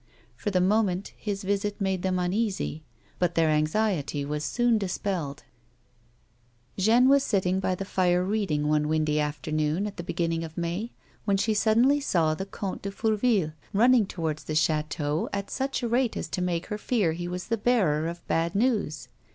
For the moment his visit made them uneasy, but their anxiety was soon dispelled. A WOMAN'S LIFE. 183 Jeanne was sitting by the fire, reading, one windy after noon at the beginning of May, when she suddenly saw the Comte de Fourville running towards the chateau at such a rate as to make her fear he was the bearer of bad news.